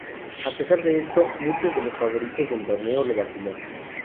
A pesar de esto, muchos de los favoritos del torneo lo vaciló.